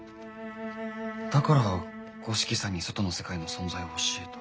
だから五色さんに外の世界の存在を教えた？